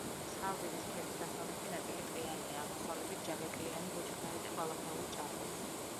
მსხალდიდის ქედის დასავლეთი ნაწილი ტყიანია, აღმოსავლეთით ჯაგეკლიანი ბუჩქნარი და ბალახეული ჭარბობს.